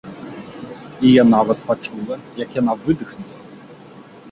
І я нават пачула, як яна выдыхнула.